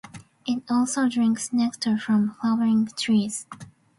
It also drinks nectar from flowering trees.